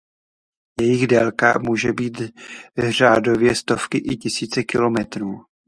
Jejich délka může být řádově stovky i tisíce kilometrů.